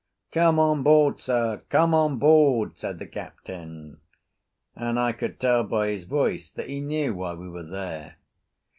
"Come on board, sir; come on board," said the Captain, and I could tell by his voice that he knew why we were there.